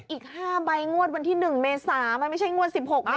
อีก๕ใบงวดวันที่๑เมษามันไม่ใช่งวด๑๖นะ